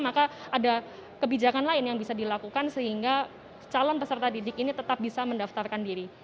maka ada kebijakan lain yang bisa dilakukan sehingga calon peserta didik ini tetap bisa mendaftarkan diri